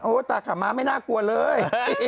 โอ้วแต่ขับมาไม่น่ากลัวเลย